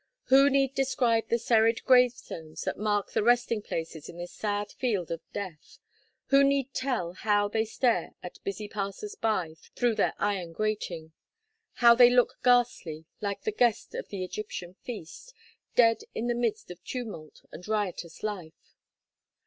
Who need describe the serried gravestones that mark the resting places in this sad field of death; who need tell how they stare at busy passers by through their iron grating how they look ghastly, like the guest of the Egyptian feast, dead in the midst of tumult and riotous life.